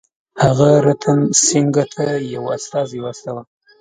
هغه رتن سینګه ته یو استازی واستاوه.